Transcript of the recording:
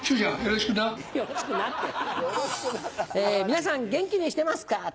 「皆さん元気にしてますか？